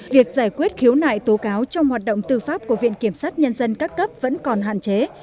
việc giải quyết khiếu nại tố cáo trong hoạt động tư pháp của viện kiểm sát nhân dân các cấp vẫn còn hạn chế